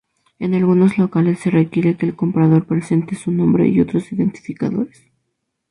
En algunos locales se requiere que el comprador presente su nombre y otros identificadores.